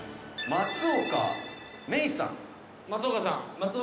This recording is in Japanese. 「松岡さん